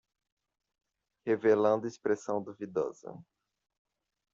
Revelando expressão duvidosa